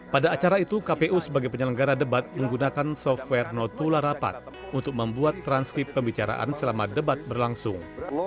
pada acara itu kpu sebagai penyelenggara debat menggunakan software notula rapat untuk membuat transkrip pembicaraan selama debat berlangsung